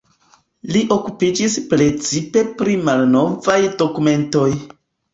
Li okupiĝis precipe pri malnovaj dokumentoj.